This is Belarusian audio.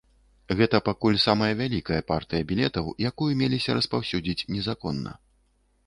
Гэта пакуль самая вялікая партыя білетаў, якую меліся распаўсюдзіць незаконна.